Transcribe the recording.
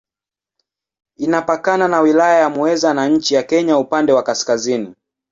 Inapakana na Wilaya ya Muheza na nchi ya Kenya upande wa kaskazini.